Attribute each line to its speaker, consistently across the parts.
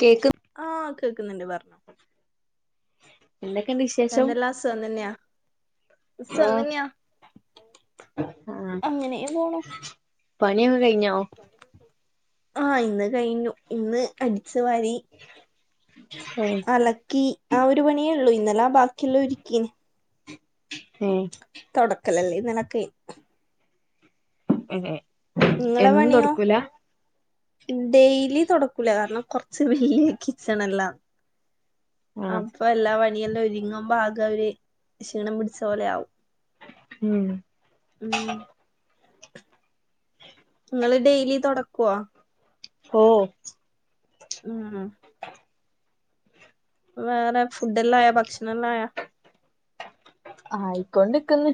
Speaker 1: Cake
Speaker 2: തിന്ന്ണ്ട് പറഞ്ഞോ
Speaker 1: എന്തൊക്കെയുണ്ട് വിശേഷം
Speaker 2: എന്തെല്ലാ സുഖംന്തന്ന്യാ സുഖംതന്നയാ
Speaker 1: ആഹ്
Speaker 2: അങ്ങനെയെ പോണു
Speaker 1: പണിയൊക്കെ കഴിഞ്ഞോ
Speaker 2: ആഹ് ഇന്ന് കഴിഞ്ഞു ഇന്ന് അടിച്ച് വാരി
Speaker 1: ഏഹ്
Speaker 2: അലക്കി ആ ഒരു പണിയേള്ളൂ ഇന്നലെ ആ ബാക്കിയെല്ലാം ഒരുക്കീനു
Speaker 1: ഏ
Speaker 2: തുടക്കലല്ലേ നിനക്കേ
Speaker 1: ഹ് ഹെ
Speaker 2: നിങ്ങളെ പണിയോ
Speaker 1: എന്നുംത്തൊടുക്കൂല
Speaker 2: ഡെയിലി തൊടക്കൂല കാരണം കൊറച്ച് ഹ് ഹ വല്യകിച്ചണല്ലാം
Speaker 1: ആഹ്
Speaker 2: അപ്പൊ എല്ലാ പണിഎല്ലാം ഒരുങ്ങുംമ്പോ ആകരു ക്ഷീണം പിടിച്ച പോലെയാവും ഉം ങ്ങള് ഡെയിലി തുടക്കോ
Speaker 1: ഓഹ്
Speaker 2: മ്മ് വേറെ ഫുഡ്ഡല്ലായോ ഭക്ഷണംല്ലായ
Speaker 1: ആയിക്കൊണ്ടിക്ക്‌ന്ന്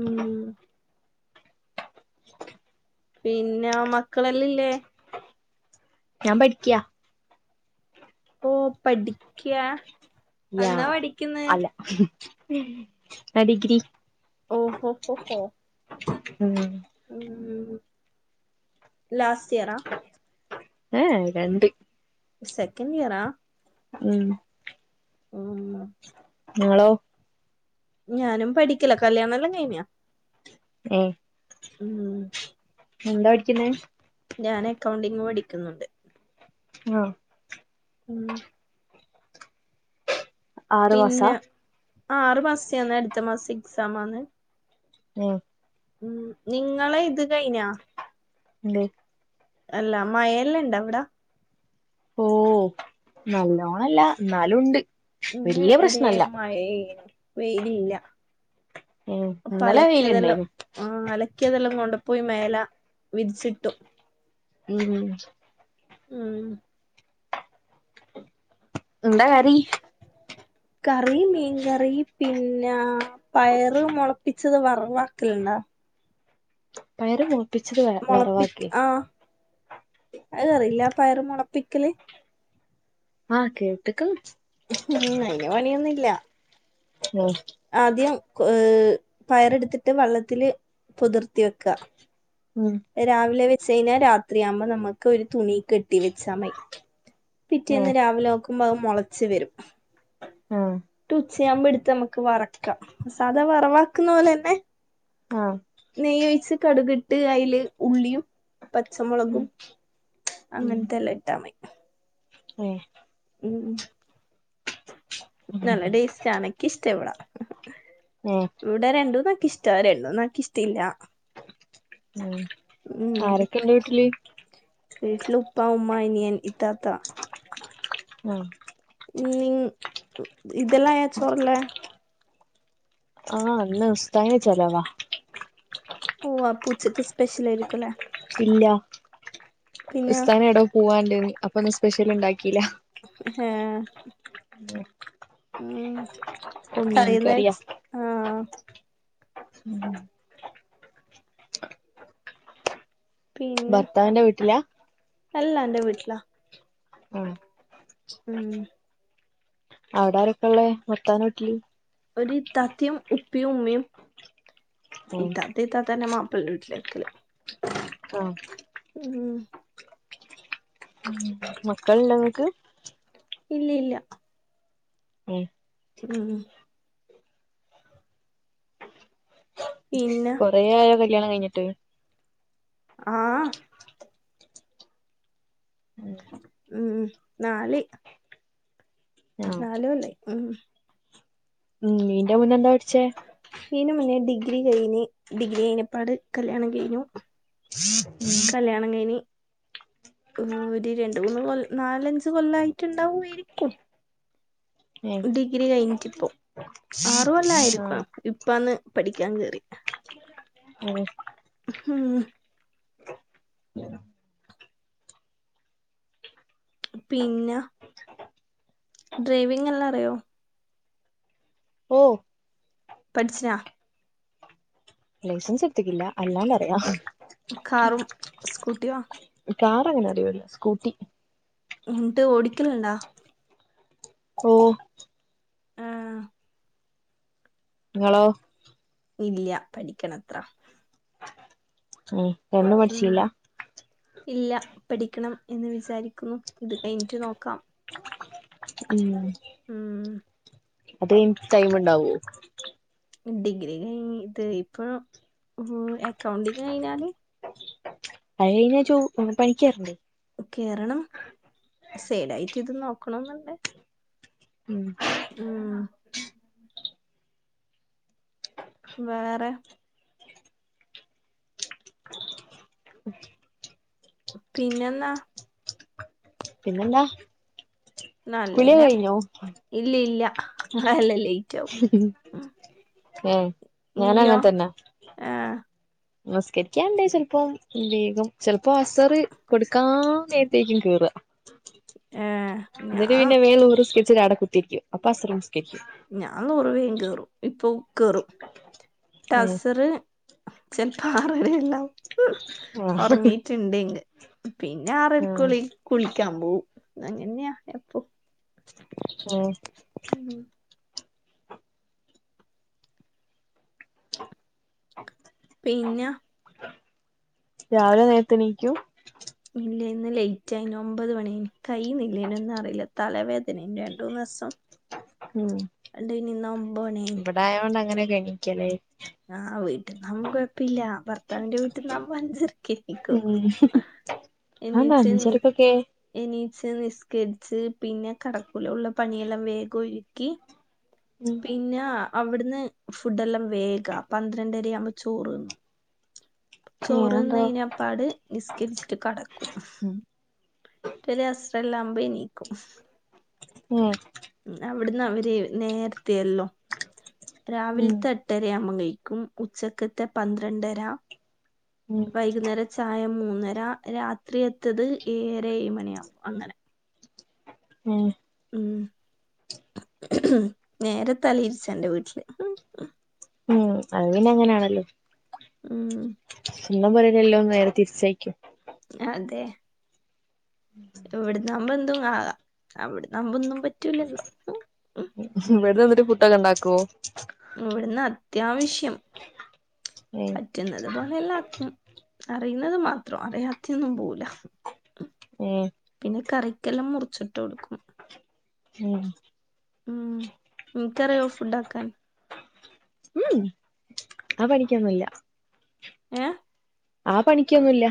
Speaker 2: ഉം
Speaker 1: [inaudible]
Speaker 2: പിന്നേ മക്കളെല്ലല്ലേ
Speaker 1: ഞാൻ പഠിക്കിയ
Speaker 2: ഓ പഠിക്കിയാ
Speaker 1: യാ അല്ല മ്ഹ് ഞാഡിഗ്രി
Speaker 2: ഓ ഹൊ ഹൊ ഹോ
Speaker 1: ഉം
Speaker 2: ഉം ലാസ്റ്റ് ഇയറാ
Speaker 1: ഏഏ രണ്ട്
Speaker 2: സെക്കൻണ്ടിയറാ
Speaker 1: ഉം
Speaker 2: ഉം
Speaker 1: ങ്ങളോ
Speaker 2: ഞാനും പഠിക്കല കല്യാണെല്ലാം കഴഞ്ഞിയാ
Speaker 1: ഏ എന്താഠിക്കുന്നേ
Speaker 2: ന്നുണ്ട്
Speaker 1: ആഹ്
Speaker 2: ഉം
Speaker 1: ആറ് മാസാ
Speaker 2: പിന്നെ ആറു മാസത്തേന്ന് അടുത്ത മാസം എക്സാമാന്ന്
Speaker 1: ഉം
Speaker 2: ഉം നിങ്ങളെ ഇത് കഴിഞ്ഞ
Speaker 1: ല
Speaker 2: അല്ല മഴെല്ലാം ഇണ്ട അവിട
Speaker 1: ഓ നല്ലോണല്ല എന്നാല ഉണ്ട്
Speaker 2: ഇന്ന്
Speaker 1: വല്യ
Speaker 2: ഒരേ
Speaker 1: പ്രശ്നല്ല
Speaker 2: മഴനു വെയിലില്ല
Speaker 1: ഉം
Speaker 2: അപ്പൊ
Speaker 1: ഇന്നലെ
Speaker 2: അലക്കിയതെല്ലാം
Speaker 1: വെയിലുണ്ടായിനു
Speaker 2: ആ അലക്കിയതെല്ലാം കൊണ്ട അവിടെ പോയി മേല വിരീച്ചിട്ടു
Speaker 1: ഉം
Speaker 2: ഉം
Speaker 1: എന്താ കറി
Speaker 2: കറി മീൻകറി പിന്നെ പയറ് മുളപ്പി ച്ചത് വർവാക്കല്ണ്ടാ
Speaker 1: പയറ് മൂപ്പിച്ചത് വ വറവാക്കിയെ.
Speaker 2: അത് അറിയില്ല പയറ് മുളപ്പിക്കല്.
Speaker 1: ആഹ് കേട്ട്ക്കിന്ന്.
Speaker 2: ഉം അയിന് പണിയൊന്നും ഇല്ല.
Speaker 1: ആഹ്.
Speaker 2: ആദ്യം ഏർ പയറെടുത്തിട്ട് വള്ളത്തില് പുതിർത്തി വെക്കുക. രാവിലെ വെച്ച കഴിഞ്ഞാൽ രാത്രിയാകുമ്പോ നമുക്ക് ഒരു തുണി കെട്ടി വെച്ചാ മൈ. പിറ്റേന്ന് രാവിലെ നോക്കുമ്പോ അത് മുളച്ച് വരും ട്ടു ച്ചയാമ്പോടുത്ത് നമ്മുക്ക് വറക്കാം സാധാ വറവാക്കുന്ന പോലെന്നെ
Speaker 1: ക്ക.
Speaker 2: നെയ്യ് ഒയിച്ച് കടുകിട്ട് അയില് ഉള്ളിയും
Speaker 1: ഏ
Speaker 2: പച്ചമുളകും അങ്ങനത്തെ എല്ലാം ഇട്ടാ മയി.
Speaker 1: ഏഹ്.
Speaker 2: ഉം നല്ല ടേസ്റ്റ അനക്ക് ഇഷ്ട ഇവിടാ. ഇവിടെ രണ്ടൂന്ന് എനിക്കിഷ്ട്ട രണ്ടൂന്ന് എനിക്കിഷ്ട്ടല്ല.
Speaker 1: ഉം
Speaker 2: ഉം
Speaker 1: ആരൊക്കെ ഇണ്ട് വീട്ടില്?
Speaker 2: ഉപ്പ ഉമ്മ അനിയൻ ഇത്താത്ത.
Speaker 1: ആഹ്.
Speaker 2: നി ഇതെല്ലാം ആയ ചോറല്ലേ.
Speaker 1: ആഹ് ഇന്ന് ഉസ്തദിന്റെ ചെലവാ.
Speaker 2: ഓ അപ്പോ ഉച്ചക്ക് സ്പെഷ്യൽ ആയിരിക്കു അല്ലെ.
Speaker 1: ഇല്ല ഉസ്‌തായിന് എടോ പോവാണ്ട അപ്പൊന്നും സ്പെഷ്യൽ ഉണ്ടാക്കിയില്ല.
Speaker 2: ഹെ.
Speaker 1: ഉം.
Speaker 2: ഉം കറിയെന്ന വെച് ആഹ്.
Speaker 1: ഉം
Speaker 2: പിന്ന
Speaker 1: ഭർത്താവിന്റെ വീട്ടിലാ
Speaker 2: അല്ലാ അന്റെ വീട്ടിലാ.
Speaker 1: ആ
Speaker 2: ഉം.
Speaker 1: അവിട ആരൊക്കെ ഉള്ളേ ഭർത്താവിന്റെ വീട്ടില്.
Speaker 2: ഒരു ഇത്താത്തയും ഉപ്പിയും ഉമ്മിയും ഇത്താത്ത ഇത്താത്തെന്റെ മാപ്പിൾന്റെ വീട്ടില്. ക്കല്.
Speaker 1: ആഹ്. ഉം മക്കളിണ്ട വീട്ടില്?
Speaker 2: ഇല്ല ഇല്ല.
Speaker 1: ഉം.
Speaker 2: ഉം. പിന്നെ
Speaker 1: കൊറേ ആയോ കല്യാണം കഴിഞ്ഞിട്ട്?
Speaker 2: ആഹ്. ഉം നാല്.
Speaker 1: ആഹ്
Speaker 2: നാല് കൊല്ലായി ഉം.
Speaker 1: ഉം ഈന്റെ മുന്നേ എന്താ പഠിച്ചേ?
Speaker 2: ഈൻ്റെ മുന്നേ ഡിഗ്രി കഴിഞ്ഞ് ഡിഗ്രി കഴിഞ്ഞപ്പാട് കല്യാണം കഴിഞ്ഞു. കല്യാണം കയിഞ്ഞ് ഒര് രണ്ട്, മൂന്ന് കൊ നാലഞ്ച് കൊല്ലായിട്ടുണ്ടാവുആയിരിക്കും..
Speaker 1: ഏഹ്
Speaker 2: ഡിഗ്രി കഴിഞ്ഞിട്ട്പ്പോ ആറ്കൊല്ലായിരിക്കാം ഇപ്പാന്ന് പഠിക്കാ കേറി.
Speaker 1: ഉം.
Speaker 2: ഉം പിന്നെ ഡ്രൈവിങ് എല്ലാം അറിയോ
Speaker 1: ഓ
Speaker 2: പഠ്ച്ച്നാ
Speaker 1: ലൈസൻസ് എട്ത്തിക്കില്ല അല്ലാണ്ടറയാ
Speaker 2: കാറും സ്കൂട്ടിയോ
Speaker 1: കാറങ്ങനെ അറിയൂല സ്കൂട്ടി
Speaker 2: ന്ന്ട്ട് ഓടിക്കല്ണ്ടാ
Speaker 1: ഓ
Speaker 2: ആഹ്
Speaker 1: ഇങ്ങളോ
Speaker 2: ഇല്യ പഠിക്കണത്ര
Speaker 1: ഉം തുടർന്ന്
Speaker 2: ഉം
Speaker 1: പഠിച്ചീല്ല
Speaker 2: ഇല്ല പഠിക്കണം എന്ന് വിചാരിക്കുന്നു ഇത് കൈഞ്ഞ്ട്ട് നോക്കാം
Speaker 1: ഉം
Speaker 2: ഉം
Speaker 1: അതൈഞ്ഞിട്ട് ടൈമ്ണ്ടാവോ
Speaker 2: ഡിഗ്രി കഴി ഇത് ഇപ്പൊ എക്കൗണ്ടിങ്ങഴിഞ്ഞാല്
Speaker 1: അത് കഴിഞ്ഞാ ചോ പണിക്കേറ്ണ്ടേ
Speaker 2: കേറണം സൈഡായിട്ട് ഇതും നോക്കണെന്ന്ണ്ട്
Speaker 1: ഉം
Speaker 2: ആ വേറെ പിന്നെന്നാ
Speaker 1: പിന്നെന്താ കുളിയൊക്കെ
Speaker 2: നല്ലേനെ
Speaker 1: കഴിഞ്ഞോ
Speaker 2: ഇല്യ ഇല്യ അല്ലല്ല
Speaker 1: ഏ
Speaker 2: ഇന്ത്യോ ഏ
Speaker 1: നിസ്കരിക്കാണ്ടേ ചെൽപ്പോം വേയ്ഗും ചിലപ്പോ അസറ് കൊടുക്കാനേര്ത്തേക്കും കേറാ
Speaker 2: ഏഹ്
Speaker 1: ഇന്നിട്ട്
Speaker 2: ഞാൻ
Speaker 1: പിന്നെ വേം ളുഹ്റ് നിസ്കരിച്ച് അട കുത്തിരിക്കും അപ്പാ അസറും നിസ്കരിക്കും
Speaker 2: ഞാൻ ളുഹ്റ് വേം കേറും ഇപ്പൊ കേറും
Speaker 1: ഉം
Speaker 2: ട്ടസറ് ചെൽപ്പോ ആറര എല്ലാംആവും
Speaker 1: ആഹ്
Speaker 2: ഒർങ്ങീട്ട്ണ്ടെങ്ക് പിന്നെ ആറര്ക്കുളി കുളിക്കാ പോവും അങ്ങൻയാ എപ്പൊ
Speaker 1: ഉം
Speaker 2: ഉം പിന്നെ
Speaker 1: രാവിലെ നേരത്ത് എനീക്കും
Speaker 2: ഇല്ല ഇന്ന് ലേറ്റ് ആന് ഒൻമ്പത് മണിന് കയ്യി നില്ലേനൊന്നും അറിയില്ല തലവേദന രണ്ട് മൂന്ന് ദിവസം
Speaker 1: ഉ
Speaker 2: അണ്ട് പിന്നെ ഇന്ന് ഒമ്പത്
Speaker 1: ഇവിടെയായോണ്ട് അങ്ങനെ കണിക്കല്
Speaker 2: ആ വീട്ടിൽ നാമ്പം കൊഴപ്പില്ല ഭർത്താവിന്റെ വീട്ടിൽ നാമ്പം അഞ്ചരക്ക് എണീക്കും
Speaker 1: ഉം അതെന്താ
Speaker 2: എണീച്ച് നി
Speaker 1: അഞ്ചരക്ക് ക്കൊക്കെ
Speaker 2: എണീച്ച് നിസ്കരിച്ച് പിന്നെ കെടക്കൂല ഉള്ള പണിയെല്ലാം വേഗം ഒരുക്കി
Speaker 1: ഉം
Speaker 2: പിന്നാ അവിടുന്ന് ഫുഡ് എല്ലാം വേഗം പന്ത്രണ്ടര ആവുമ്പോ ചോറ്ന്നും
Speaker 1: അതെന്താ
Speaker 2: ചോറ്തിന്നാകഴിഞ്ഞ പാട് നിസ്കരിച്ചിട്ട് കെടക്കും പിന്നെ അസ്സലാമ്പം എണീക്കും
Speaker 1: ഉം
Speaker 2: അവിടുന്ന് അവര് നേരത്തയല്ലോ
Speaker 1: ഉം
Speaker 2: രാവിലത്തെ എട്ടരയാവുമ്പം കഴി കഴിക്കും ഉച്ചക്കത്തെ പന്ത്രണ്ടര
Speaker 1: ഉം
Speaker 2: വൈകുന്നേര ചായ മൂന്ന് അന്നെര രാത്രി എത്തത് ഏഴര ഏഴ് മണിയാാവുമ്പോ അങ്ങനെ
Speaker 1: ആ
Speaker 2: ഉ നേരെ തലയിരിച്ച എന്റെ വീട്ടില്
Speaker 1: ഉം അത് പിന്നെ അങ്ങനെയാണല്ലോ
Speaker 2: ഉം
Speaker 1: സ്വന്തം പോരെയല്ലല്ലോ നേരെ തിരിച്ചയക്കും
Speaker 2: അതെ ഇവിടന്നാമ്പം എന്തും ആകാം അവിടന്നാമ്പം ഒന്നും പറ്റൂലല്ലോ ഉം,
Speaker 1: ഇവിടെന്ന് വന്നിട്ട് പുട്ടൊക്കെ ഉണ്ടാക്കുവോ
Speaker 2: ഇവിടുന്ന് അത്യാവശ്യം
Speaker 1: ഉം
Speaker 2: പറ്റുന്നത് പോലെല്ലാക്കും അറിയുന്നത് മാത്രം അറിയാത്തൊന്നും പോല
Speaker 1: ഉം
Speaker 2: പിന്നെ കറി എല്ലാം മുറിച്ചിട്ട് കൊടുക്കും
Speaker 1: ഉം
Speaker 2: ഉം നിക്കറിയോ ഫുഡ് ആക്കാൻ
Speaker 1: ഉ ആ പണിക്കൊന്നില്ല
Speaker 2: എ
Speaker 1: ആ പണിക്കൊന്നുല്ല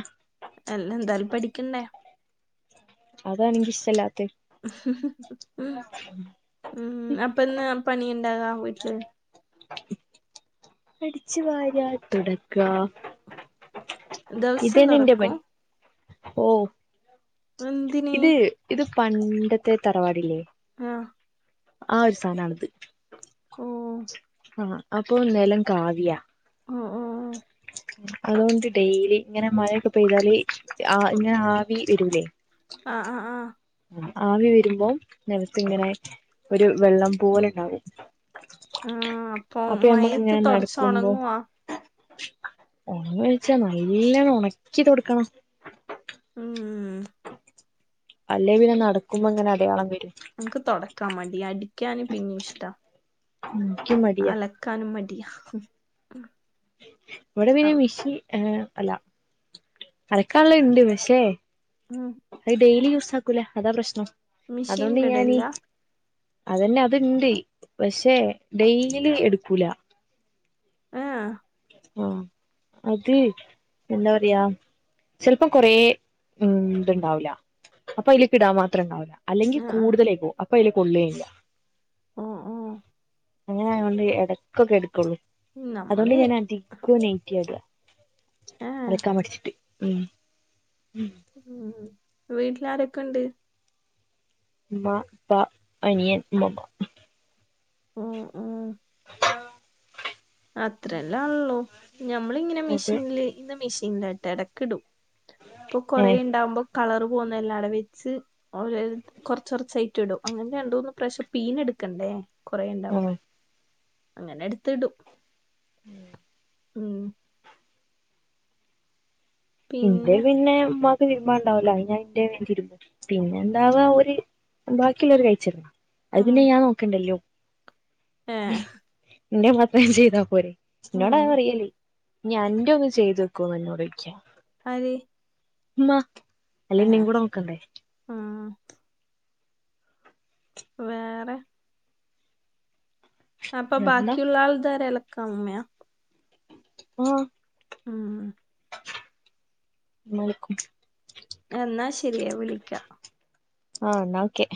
Speaker 2: അല്ല എന്താലും പഠിക്കണ്ടേ
Speaker 1: അതാ എനിക്ക് ഇഷ്ടല്ലാത്തെ
Speaker 2: അപ്പൊന്നാ പണിക്ക ഉണ്ടാകാം വീട്ടില്
Speaker 1: അഠിച്ചു വാര് തുടക്കാ
Speaker 2: ദിവസം
Speaker 1: ഇതന്നെ എന്റെ
Speaker 2: തൊടക്കും
Speaker 1: പണി ഓ
Speaker 2: എന്തിന്
Speaker 1: ഇത് ഇത് പണ്ടത്തെ തറവാടില്ലേ
Speaker 2: ആ
Speaker 1: ആ ഒരു സാധനണത്
Speaker 2: ഓ
Speaker 1: ആ അപ്പൊ നിലം കാവ്യാ
Speaker 2: ആ ആ ആ
Speaker 1: അതുകൊണ്ട് ഡെയിലി ഇങ്ങനെ മഴയൊക്കെ പെയ്താല് ആ
Speaker 2: ഓ.
Speaker 1: ഇങ്ങനെ ആവി വരൂലേ
Speaker 2: ആ ആ ആ
Speaker 1: ആവി വരുമ്പോം നിലത്തിങ്ങനെ ഒരു വെള്ളം പോലെ ഉണ്ടാവും
Speaker 2: ആ
Speaker 1: അപ്പൊ നമ്മള്
Speaker 2: മയത്ത്
Speaker 1: ഇങ്ങനെ
Speaker 2: തുടച്ച്
Speaker 1: നടക്കുമ്പോ
Speaker 2: ഉണങ്ങുവാ
Speaker 1: ഉറങ്ങി എണിച്ച നല്ലോണം ഉണക്കി തൊടുക്കണം
Speaker 2: ഉം
Speaker 1: അല്ലേ പിന്നെ നടക്കുമ്പോ ഇങ്ങനെ അടയാളം വരും
Speaker 2: നമക്ക് തൊടക്കാൻ മടിയാ അടിക്കാന് പിന്നെ ഇഷ്ടാ
Speaker 1: ഉം
Speaker 2: അലക്കാനും മടിയ
Speaker 1: ഇവിടെ പിന്നെ മിഷി ആ അല്ല അലക്കാനുള്ള ഇണ്ട് പക്ഷേ
Speaker 2: ഉം.
Speaker 1: അത് ഡെയിലി യൂസ് ആക്കൂല, അതാ പ്രശ്നം. അതുകൊണ്ട് ഞാന്
Speaker 2: മിഷീനിലിടലില്ല?
Speaker 1: അതന്നെ അതിണ്ട് പക്ഷെ ഡെയ്ലി എടുക്കൂല.
Speaker 2: ആ
Speaker 1: ആ അതേ എന്താ പറയാ ചിലപ്പം കൊറേ ഉം ഇത്ണ്ടാവൂല അപ്പൊ അതിലക്ക് ഇടാൻ മാത്രം ഉണ്ടാവൂ. അല്ലെങ്കിൽ
Speaker 2: ആ ആ.
Speaker 1: കൂടുതലായ്പ്പോകും അപ്പൊ അയില് കൊള്ളുകേയില്ല.
Speaker 2: ഉം ഉം
Speaker 1: അങ്ങനെ ആയകൊണ്ട് എടക്കൊക്കെ എടുക്കുള്ളൂ.
Speaker 2: നമ്മള്
Speaker 1: ക്കു നൈറ്റി ഇടാ
Speaker 2: ആ
Speaker 1: അലക്കാൻ മട്ച്ചിട്ട് ഉം.
Speaker 2: ഉം വീട്ടിലാരൊക്കെണ്ട്?
Speaker 1: മ്മ പ്പ അനിയൻ മ്മമ്മ.
Speaker 2: ഉം ഉം. അത്രല്ലാ ഉള്ളൂ. ഞമ്മളിങ്ങനെ
Speaker 1: അത്
Speaker 2: മിഷീൻല് ഇന്ന് മിഷീൻലാട്ടെ എടക്കിടും. പ്പൊ കൊറേ
Speaker 1: ഏഹ്
Speaker 2: ഇണ്ടാമ്പം കളറ് പോകുന്ന എല്ലാം ആടെ വെച്ച് ഓര് കൊർച്ച് കൊർച്ചായിട്ടിടും. അങ്ങനെ രണ്ട്, മൂന്ന് പ്രാവശ്യം പീഞ്ഞെടു ക്കണ്ടേ കൊറേണ്ടാ
Speaker 1: ആഹ്
Speaker 2: അങ്ങനെ എട്ത്തിടും..
Speaker 1: ഉം
Speaker 2: ഉം
Speaker 1: ഇന്റെ പിന്നെ ഇമ്മാ [unintelligible] തിരുമ്പാണ്ടാവുല്ലാ പിന്നെ ഞാൻ ഇന്റെ ഞാൻ തിരുമ്പും. പിന്നെ ഇണ്ടാവാ ഓര് ബാക്കിള്ളോര് കയിച്ചിട്ന്നാ അഹ് പിന്നെ
Speaker 2: ആഹ്
Speaker 1: ഞാൻ നോക്കണ്ടല്ലോ
Speaker 2: ഏഹ്
Speaker 1: ഇന്റെ മാത്രം ഞാ ചെയ്താ പോരേ
Speaker 2: ഉം
Speaker 1: ഇന്നോടഹ് പറിയല് ഞ്ഞ് അന്റൊന്ന് ചെയ്തക്കോ ഇന്നോടൊയ്ക്ക്യാ
Speaker 2: ആര്?
Speaker 1: ഇമ്മാ അല്ലേ ഇന്നീ കൂടെ നോക്കണ്ടേ?
Speaker 2: ഉം വേറെ അപ്പം
Speaker 1: വേറെന്താ
Speaker 2: ബാക്കിള്ള ആൾതാരെ എലക്കാ ഇമ്മെയാ?
Speaker 1: ആഹ്
Speaker 2: ഉം
Speaker 1: ഇമ്മ അലക്കും
Speaker 2: എന്നാ ശരിയേ വിളിക്കാ
Speaker 1: ആഹ് ന്നാ ഓക്കേ